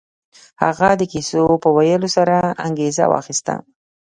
هغه د کيسو په ويلو سره انګېزه واخيسته.